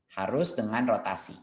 harus dengan rotasi